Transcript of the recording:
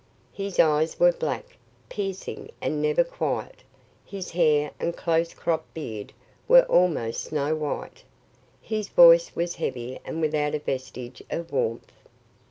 His eyes were black, piercing and never quiet; his hair and close cropped beard were almost snow white; his voice was heavy and without a vestige of warmth.